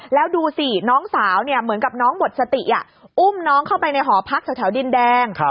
แล้วดูสิน้องสาวเหมือนกับน้องหมดสติอุ้มน้องเข้าไปในหอพักแถวดินแดง